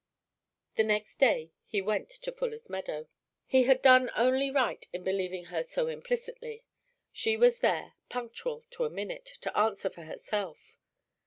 The next day he went to Fuller's Meadow. He had done only right in believing her so implicitly. She was there, punctual to a minute, to answer for herself.